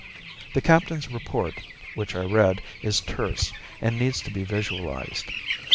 The captain's report, which I read, is terse, and needs to be visualized.